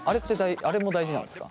あれも大事なんですか？